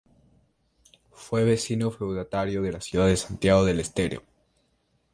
Fue vecino feudatario de la ciudad de Santiago del Estero.